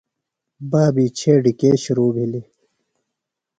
بابی چھیڈیۡ کے شِرو بِھلیۡ؟